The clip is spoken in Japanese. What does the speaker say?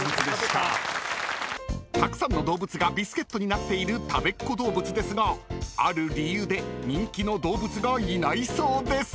［たくさんの動物がビスケットになっているたべっ子どうぶつですがある理由で人気の動物がいないそうです。